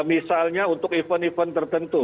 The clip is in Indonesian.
misalnya untuk event event tertentu